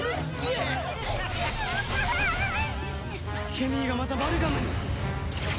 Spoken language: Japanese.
ケミーがまたマルガムに！